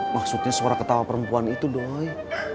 maksudnya suara ketawa perempuan itu doi